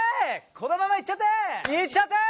このままイっちゃってー！